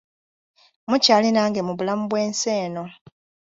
Mukyali nange mu bulamu bw'ensi eno.